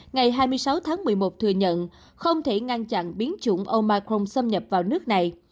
ngày hai mươi sáu tháng một mươi một thừa nhận không thể ngăn chặn biến chủng omicron xâm nhập vào nước này